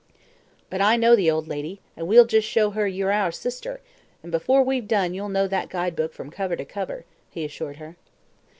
"But I know the old lady, and we'll just show her you're our sister, and before we've done you'll know that guide book from cover to cover," he assured her.